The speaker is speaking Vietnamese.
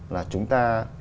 là chúng ta